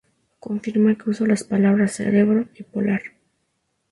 Confirma que usó las palabras "cerebro" y "polar".